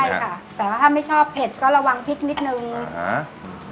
ใช่ค่ะแต่ว่าถ้าไม่ชอบเผ็ดก็ระวังพริกนิดนึงอ่า